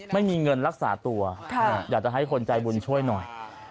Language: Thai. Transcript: ไม่มีเงินรักษาตัวอยากจะให้คนใจบุญช่วยหน่อย